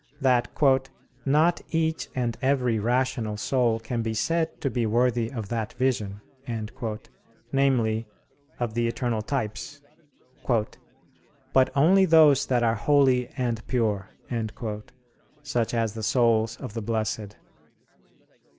that "not each and every rational soul can be said to be worthy of that vision," namely, of the eternal types, "but only those that are holy and pure," such as the souls of the blessed.